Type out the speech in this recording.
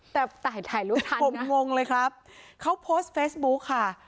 แต่ถ่ายรูปทันนะผมงงเลยครับเขาโพสต์เฟซบุ๊คค่ะ